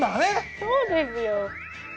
そうですよ。